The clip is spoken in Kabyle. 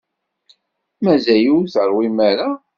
Mazal ur teṛwim ara?